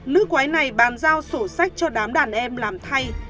nữ quái này bàn giao sổ sách cho đám đàn em làm thay